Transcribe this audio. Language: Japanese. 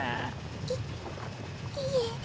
いいえ。